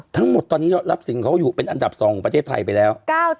ทั้งหมดตอนนี้รับสินเขาอยู่เป็นอันดับ๒ของประเทศไทยไปแล้ว